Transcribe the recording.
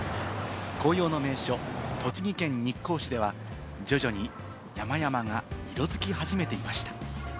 紅葉の名所、栃木県日光市では徐々に山々が色づき始めていました。